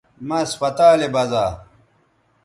مہ اسپتالے بزا